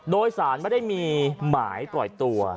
โดยสารไม่ได้มีหมายปล่อยตัว